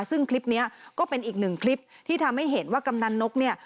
ซึ่งคลิปนี้ก็เป็นอีกหนึ่งคลิปที่ทำให้เห็นว่ากำนันนกเนี่ย